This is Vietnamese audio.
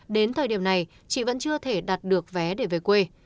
đến thời điểm này chị vẫn chưa thể đặt được vé để về quê